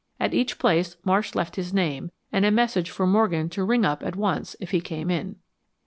At each place Marsh left his name, and a message for Morgan to ring up at once if he came in.